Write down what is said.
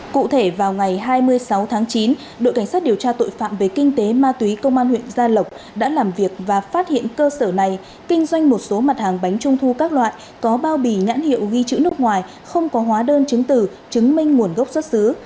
cụ thể vào ngày hai mươi sáu tháng chín đội cảnh sát điều tra tội phạm về kinh tế ma túy công an huyện gia lộc đã làm việc và phát hiện cơ sở này kinh doanh một số mặt hàng bánh trung thu các loại có bao bì nhãn hiệu ghi chữ nước ngoài không có hóa đơn chứng từ chứng minh nguồn gốc xuất xứ